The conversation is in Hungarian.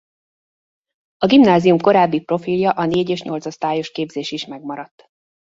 A gimnázium korábbi profilja a négy- és nyolcosztályos képzés is megmaradt.